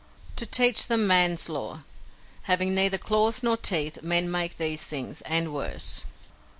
"To teach them Man's Law. Having neither claws nor teeth, men make these things and worse."